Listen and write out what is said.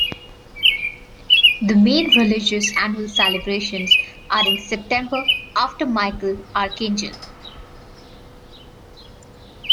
The main religious annual celebrations are in September, after Michael Archangel.